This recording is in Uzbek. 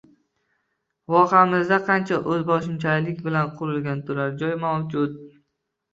Vohamizda qancha oʻzboshimchalik bilan qurilgan turar joy mavjud?